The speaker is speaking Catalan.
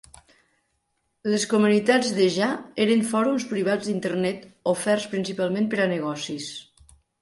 Les Comunitats Deja eren fòrums privats d'Internet oferts principalment per a negocis.